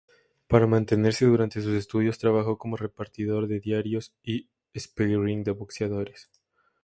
Para mantenerse durante sus estudios trabajó como repartidor de diarios y "sparring" de boxeadores.